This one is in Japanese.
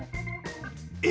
え？